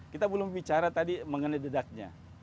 kita belum bicara tadi mengenai dedaknya